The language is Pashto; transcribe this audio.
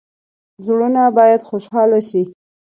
زړونه باید خوشحاله شي